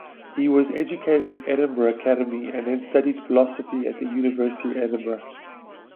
He was educated at Edinburgh Academy then studied philosophy at the University of Edinburgh.